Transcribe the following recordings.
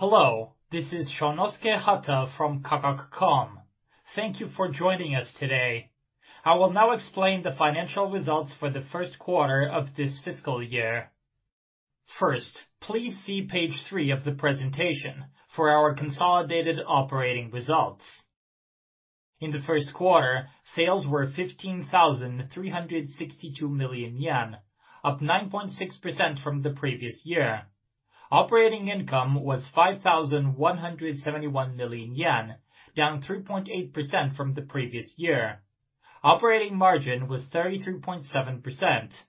Hello, this is Shonosuke Hata from Kakaku.com. Thank you for joining us today. I will now explain the financial results for the first quarter of this fiscal year. First, please see page three of the presentation for our consolidated operating results. In the first quarter, sales were 15,362 million yen, up 9.6% from the previous year. Operating income was 5,171 million yen, down 3.8% from the previous year. Operating margin was 33.7%.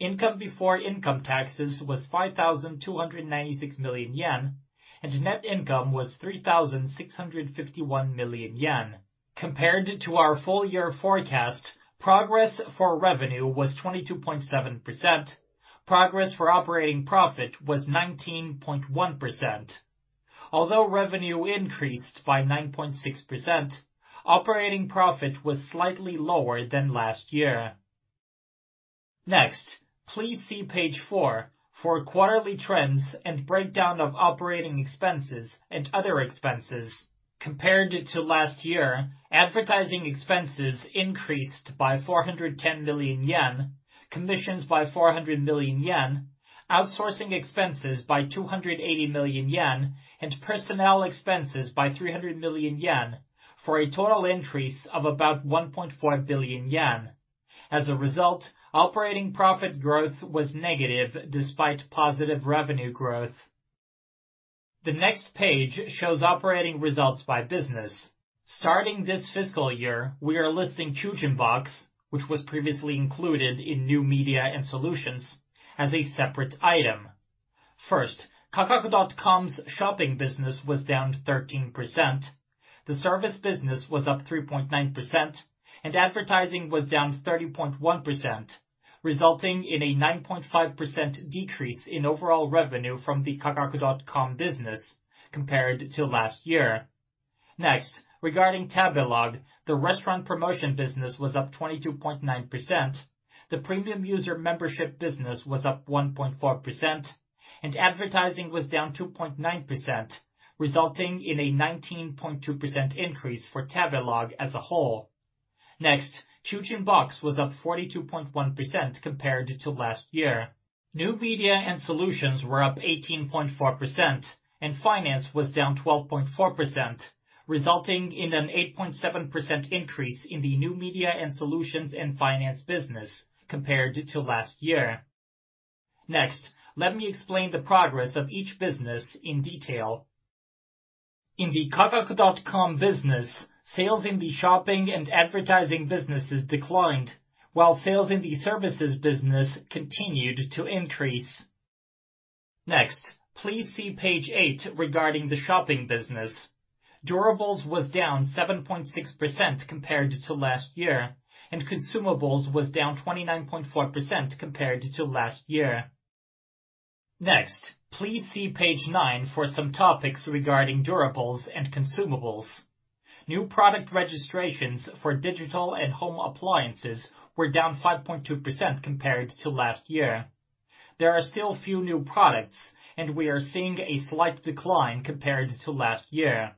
Income before income taxes was 5,296 million yen, and net income was 3,651 million yen. Compared to our full year forecast, progress for revenue was 22.7%. Progress for operating profit was 19.1%. Although revenue increased by 9.6%, operating profit was slightly lower than last year. Next, please see page four for quarterly trends and breakdown of operating expenses and other expenses. Compared to last year, advertising expenses increased by 410 million yen, commissions by 400 million yen, outsourcing expenses by 280 million yen, and personnel expenses by 300 million yen, for a total increase of about 1.4 billion yen. As a result, operating profit growth was negative despite positive revenue growth. The next page shows operating results by business. Starting this fiscal year, we are listing Kyujin Box, which was previously included in New Media and Solutions, as a separate item. First, Kakaku.com's shopping business was down 13%, the service business was up 3.9%, and advertising was down 30.1%, resulting in a 9.5% decrease in overall revenue from the Kakaku.com business compared to last year. Next, regarding Tabelog, the restaurant promotion business was up 22.9%, the premium user membership business was up 1.4%, and advertising was down 2.9%, resulting in a 19.2% increase for Tabelog as a whole. Next, Kyujin Box was up 42.1% compared to last year. New Media and Solutions were up 18.4%, and Finance was down 12.4%, resulting in an 8.7% increase in the New Media and Solutions and Finance business compared to last year. Next, let me explain the progress of each business in detail. In the Kakaku.com business, sales in the shopping and advertising businesses declined, while sales in the services business continued to increase. Next, please see page eight regarding the shopping business. Durables was down 7.6% compared to last year, and consumables was down 29.4% compared to last year. Next, please see page nine for some topics regarding durables and consumables. New product registrations for digital and home appliances were down 5.2% compared to last year. There are still few new products, and we are seeing a slight decline compared to last year.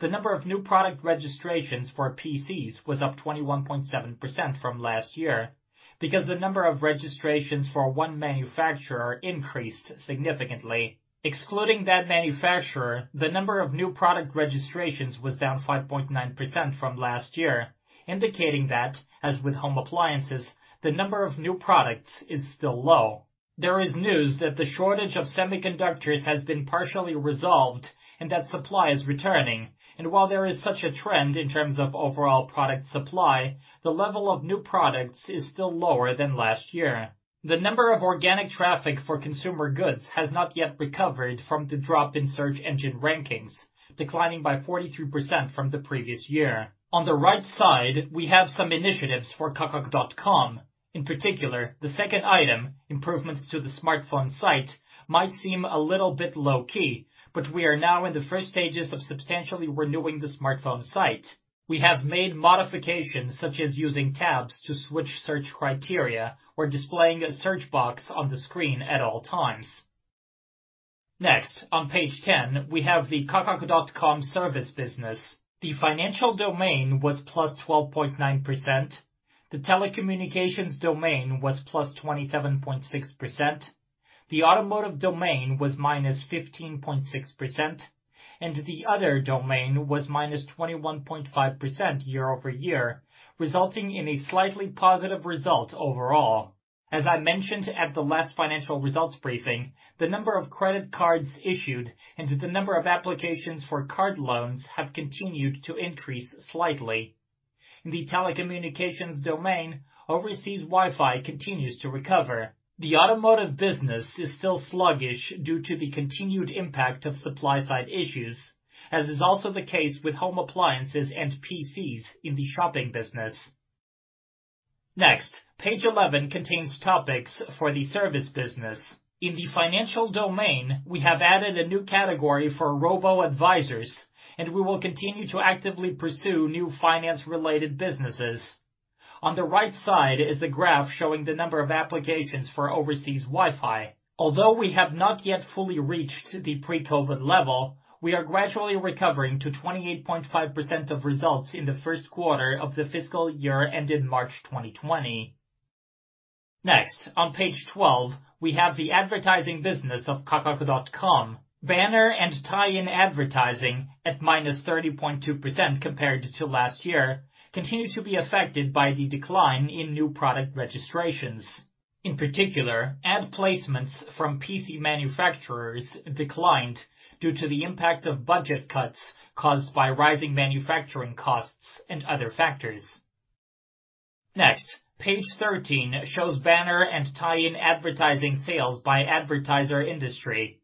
The number of new product registrations for PCs was up 21.7% from last year because the number of registrations for one manufacturer increased significantly. Excluding that manufacturer, the number of new product registrations was down 5.9% from last year, indicating that, as with home appliances, the number of new products is still low. There is news that the shortage of semiconductors has been partially resolved and that supply is returning, and while there is such a trend in terms of overall product supply, the level of new products is still lower than last year. The number of organic traffic for consumer goods has not yet recovered from the drop in search engine rankings, declining by 42% from the previous year. On the right side, we have some initiatives for Kakaku.com. In particular, the second item, improvements to the smartphone site, might seem a little bit low-key, but we are now in the first stages of substantially renewing the smartphone site. We have made modifications, such as using tabs to switch search criteria or displaying a search box on the screen at all times. Next, on Page 10, we have the Kakaku.com service business. The financial domain was +12.9%, the telecommunications domain was +27.6%, the automotive domain was -15.6%, and the other domain was -21.5% year-over-year, resulting in a slightly positive result overall. As I mentioned at the last financial results briefing, the number of credit cards issued and the number of applications for card loans have continued to increase slightly. In the telecommunications domain, overseas Wi-Fi continues to recover. The automotive business is still sluggish due to the continued impact of supply side issues, as is also the case with home appliances and PCs in the shopping business. Next, Page 11 contains topics for the service business. In the financial domain, we have added a new category for robo-advisors, and we will continue to actively pursue new finance-related businesses....On the right side is a graph showing the number of applications for overseas Wi-Fi. Although we have not yet fully reached the pre-COVID level, we are gradually recovering to 28.5% of results in the 1st quarter of the fiscal year, ending March 2020. Next, on Page 12, we have the advertising business of Kakaku.com. Banner and tie-in advertising, at -30.2% compared to last year, continue to be affected by the decline in new product registrations. In particular, ad placements from PC manufacturers declined due to the impact of budget cuts caused by rising manufacturing costs and other factors. Next, Page 13 shows banner and tie-in advertising sales by advertiser industry.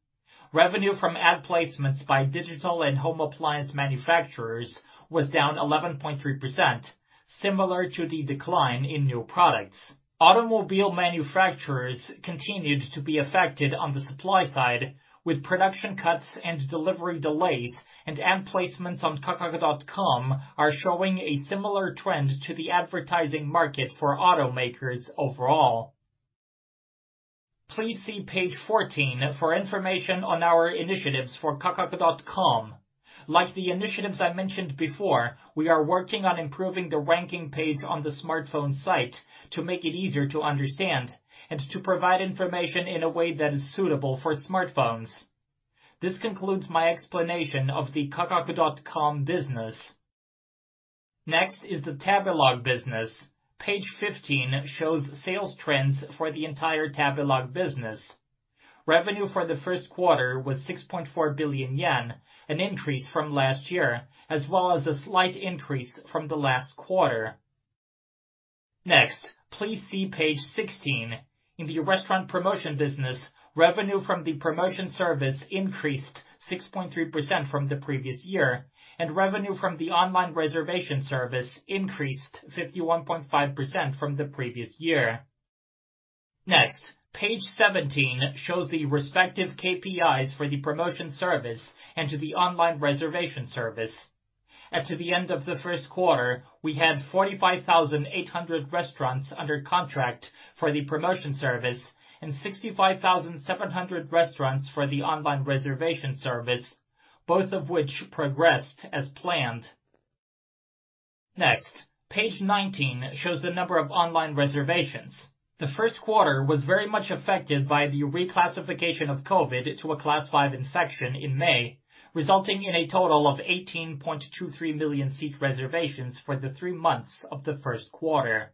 Revenue from ad placements by digital and home appliance manufacturers was down 11.3%, similar to the decline in new products. Automobile manufacturers continued to be affected on the supply side, with production cuts and delivery delays. Ad placements on Kakaku.com are showing a similar trend to the advertising market for automakers overall. Please see Page 14 for information on our initiatives for Kakaku.com. Like the initiatives I mentioned before, we are working on improving the ranking page on the smartphone site to make it easier to understand and to provide information in a way that is suitable for smartphones. This concludes my explanation of the Kakaku.com business. Next is the Tabelog business. Page 15 shows sales trends for the entire Tabelog business. Revenue for the first quarter was 6.4 billion yen, an increase from last year, as well as a slight increase from the last quarter. Next, please see Page 16. In the restaurant promotion business, revenue from the promotion service increased 6.3% from the previous year, and revenue from the online reservation service increased 51.5% from the previous year. Next, Page 17 shows the respective KPIs for the promotion service and to the online reservation service. As to the end of the first quarter, we had 45,800 restaurants under contract for the promotion service and 65,700 restaurants for the online reservation service, both of which progressed as planned. Next, Page 19 shows the number of online reservations. The first quarter was very much affected by the reclassification of COVID to a Class 5 infection in May, resulting in a total of 18.23 million seat reservations for the three months of the first quarter.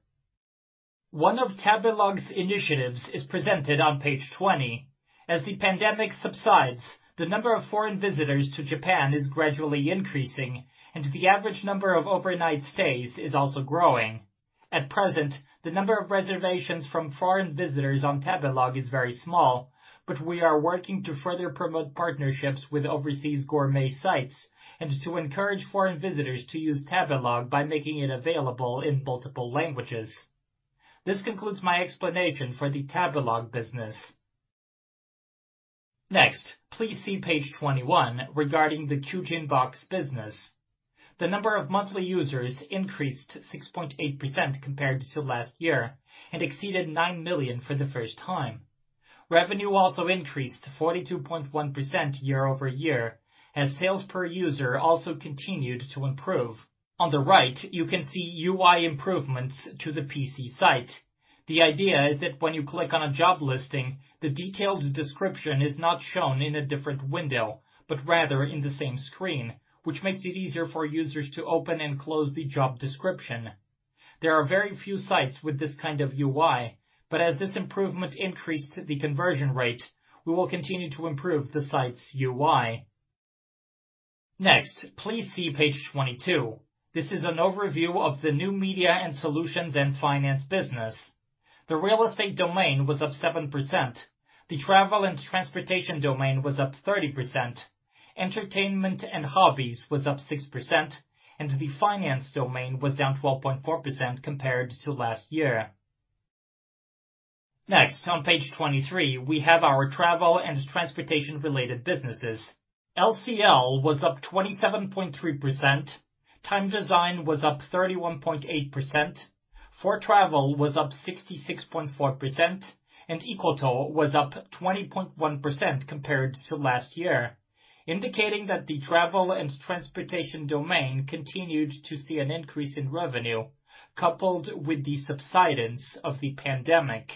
One of Tabelog's initiatives is presented on Page 20. As the pandemic subsides, the number of foreign visitors to Japan is gradually increasing, and the average number of overnight stays is also growing. At present, the number of reservations from foreign visitors on Tabelog is very small, but we are working to further promote partnerships with overseas gourmet sites and to encourage foreign visitors to use Tabelog by making it available in multiple languages. This concludes my explanation for the Tabelog business. Next, please see Page 21 regarding the Kyujin Box business. The number of monthly users increased 6.8% compared to last year and exceeded nine million for the first time. Revenue also increased 42.1% year-over-year, as sales per user also continued to improve. On the right, you can see UI improvements to the PC site. The idea is that when you click on a job listing, the detailed description is not shown in a different window, but rather in the same screen, which makes it easier for users to open and close the job description. There are very few sites with this kind of UI, but as this improvement increased the conversion rate, we will continue to improve the site's UI. Next, please see Page 22. This is an overview of the New Media and Solutions and finance business. The real estate domain was up 7%, the travel and transportation domain was up 30%, entertainment and hobbies was up 6%, and the finance domain was down 12.4% compared to last year. Next, on Page 23, we have our travel and transportation-related businesses. LCL was up 27.3%, Time Design was up 31.8%, 4travel was up 66.4%, and icotto was up 20.1% compared to last year, indicating that the travel and transportation domain continued to see an increase in revenue, coupled with the subsidence of the pandemic.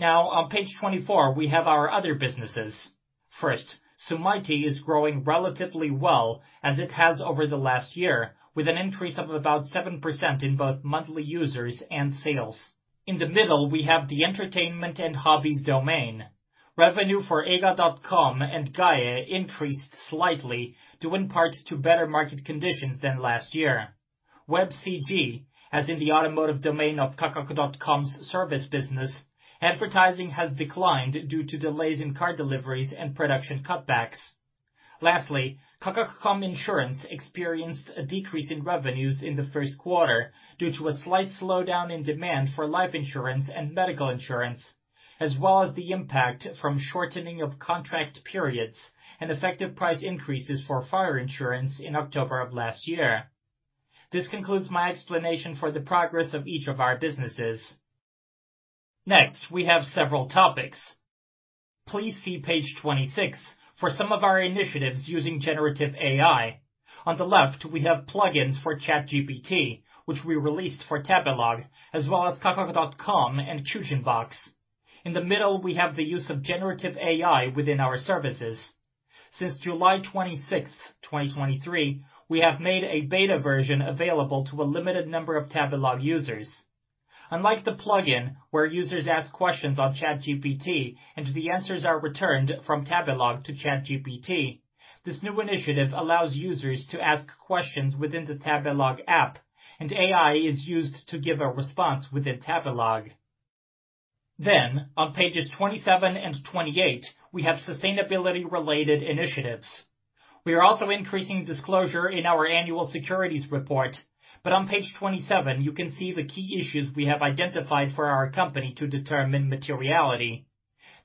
On page 24, we have our other businesses. First, Sumaity is growing relatively well, as it has over the last year, with an increase of about 7% in both monthly users and sales. In the middle, we have the entertainment and hobbies domain. Revenue for Eiga.com and Gaie increased slightly, due in part to better market conditions than last year. webCG, as in the automotive domain of Kakaku.com's service business, advertising has declined due to delays in car deliveries and production cutbacks. Lastly, Kakaku.com Insurance experienced a decrease in revenues in the first quarter due to a slight slowdown in demand for life insurance and medical insurance, as well as the impact from shortening of contract periods and effective price increases for fire insurance in October of last year. This concludes my explanation for the progress of each of our businesses. Next, we have several topics. Please see Page 26 for some of our initiatives using generative AI. On the left, we have plugins for ChatGPT, which we released for Tabelog, as well as Kakaku.com and Kyujin Box. In the middle, we have the use of generative AI within our services. Since July 26th, 2023, we have made a beta version available to a limited number of Tabelog users. Unlike the plugin, where users ask questions on ChatGPT and the answers are returned from Tabelog to ChatGPT, this new initiative allows users to ask questions within the Tabelog app, and AI is used to give a response within Tabelog. On Page 27 and Page 28, we have sustainability-related initiatives. We are also increasing disclosure in our annual securities report, on Page 27, you can see the key issues we have identified for our company to determine materiality.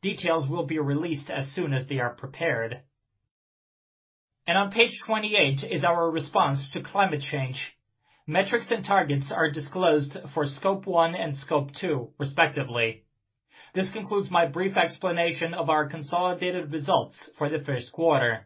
Details will be released as soon as they are prepared. On Page 28 is our response to climate change. Metrics and targets are disclosed for Scope 1 and Scope 2, respectively. This concludes my brief explanation of our consolidated results for the first quarter.